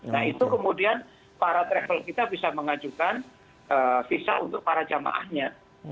nah itu kemudian para travel kita bisa mengajukan visa untuk para jamaahnya